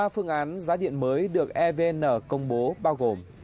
ba phương án giá điện mới được evn công bố bao gồm